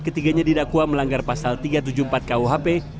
ketiganya didakwa melanggar pasal tiga ratus tujuh puluh empat kuhp